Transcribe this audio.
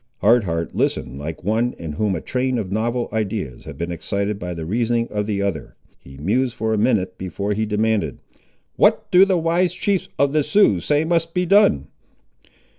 Hard Heart listened like one in whom a train of novel ideas had been excited by the reasoning of the other. He mused for a minute before he demanded— "What do the wise chiefs of the Sioux say must be done?"